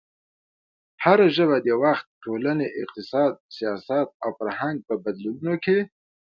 هره ژبه د وخت، ټولنې، اقتصاد، سیاست او فرهنګ په بدلونونو کې